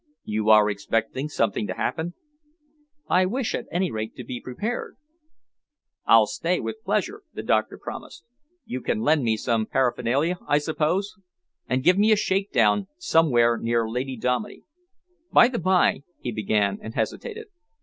"You are expecting something to happen?" "I wish, at any rate, to be prepared." "I'll stay, with pleasure," the doctor promised. "You can lend me some paraphernalia, I suppose? And give me a shake down somewhere near Lady Dominey's. By the by," he began, and hesitated.